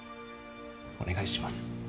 お願いします。